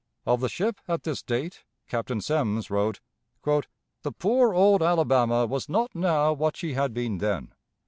Of the ship at this date Captain Semmes wrote: "The poor old Alabama was not now what she had been then.